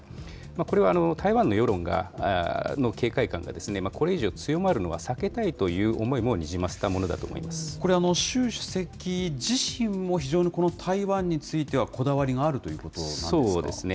これは台湾の世論の警戒感が、これ以上強まるのは避けたいという思いもにじませたものだと思いこれ、習主席自身も非常に台湾についてはこだわりがあるということなんですか。